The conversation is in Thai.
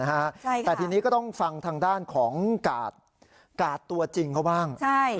แต่ทีนี้ก็ต้องฟังทางด้านของกาดกาดตัวจริงเขาบ้าง